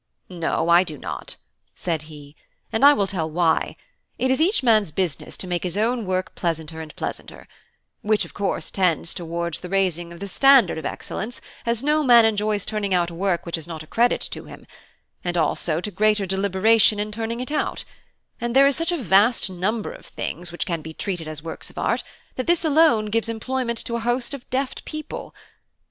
"No, I do not," said he, "and I will tell why; it is each man's business to make his own work pleasanter and pleasanter, which of course tends towards raising the standard of excellence, as no man enjoys turning out work which is not a credit to him, and also to greater deliberation in turning it out; and there is such a vast number of things which can be treated as works of art, that this alone gives employment to a host of deft people.